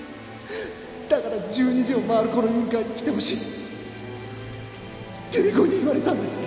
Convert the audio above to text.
だから１２時を回るころに迎えに来てほしいって貴美子に言われたんです